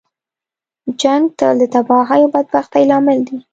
جنګ تل د تباهۍ او بدبختۍ لامل وي.